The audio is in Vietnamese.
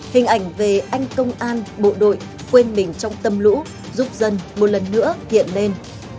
hình ảnh về anh công an bộ đội quên mình trong tâm lũ giúp dân một lần nữa hiện lên